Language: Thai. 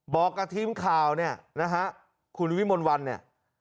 บอกกับทีมข่าวเนี่ยนะฮะคุณวิมลวันเนี่ย